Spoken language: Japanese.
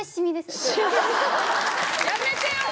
やめてよ！